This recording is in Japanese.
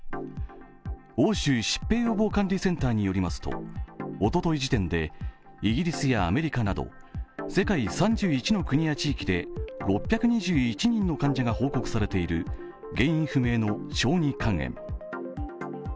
欧州疾病予防管理センターによりますとおとと時点でイギリスやアメリカなど世界３１の国や地域で６２１人の患者が報告されている原因不明の小児肝炎。